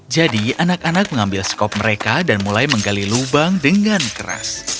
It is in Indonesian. jadi anak anak mengambil skop mereka dan mulai menggali lubang dengan keras